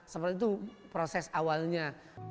seperti itu proses awalnya